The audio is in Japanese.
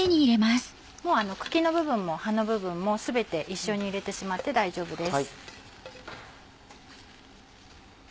茎の部分も葉の部分も全て一緒に入れてしまって大丈夫です。